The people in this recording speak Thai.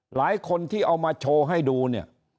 หลายคนที่เอามาโชว์ให้ดูเนี่ย